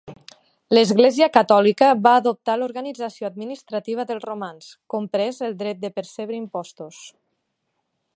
L'església catòlica va adoptar l'organització administrativa dels romans, comprès el dret de percebre impostos.